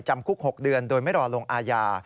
จำคุก๖เดือนโดยไม่รอลงอาญา